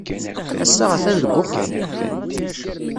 Ass-a atan deg uxxam.